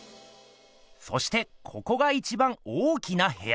そしてここがいちばん大きなへや。